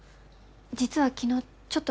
実は昨日ちょっと。